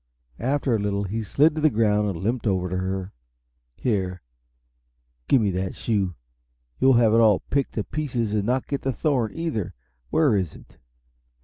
After a little, he slid to the ground and limped over to her. "Here, give me that shoe; you'll have it all picked to pieces and not get the thorn, either. Where is it?"